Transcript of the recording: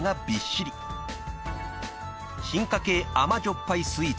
［進化系甘じょっぱいスイーツ］